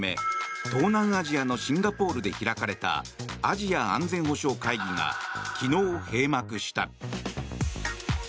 東南アジアのシンガポールで開かれたアジア安全保障会議が昨日、閉幕した。